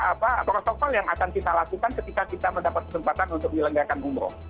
apa protokol yang akan kita lakukan ketika kita mendapat kesempatan untuk dilenggarakan umroh